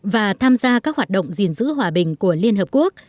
và tham gia các hoạt động gìn giữ hòa bình của liên hợp quốc